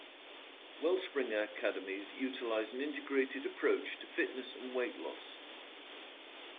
Wellspring Academies utilizes an integrated approach to fitness and weight loss.